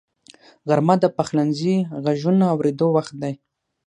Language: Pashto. غرمه د پخلنځي غږونو اورېدو وخت دی